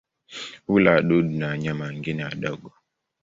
Hula wadudu na wanyama wengine wadogo.